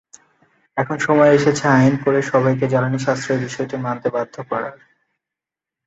এখন সময় এসেছে আইন করে সবাইকে জ্বালানি সাশ্রয়ের বিষয়টি মানতে বাধ্য করার।